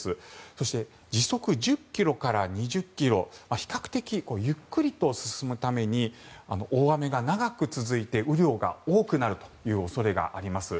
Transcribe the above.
そして時速１０ｋｍから２０ｋｍ比較的ゆっくりと進むために大雨が長く続いて雨量が多くなるという恐れがあります。